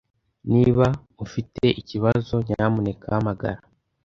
Niba ufite ikibazo, nyamuneka hamagara.